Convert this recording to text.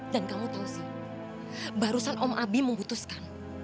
dan kamu tau sih barusan om abi memutuskan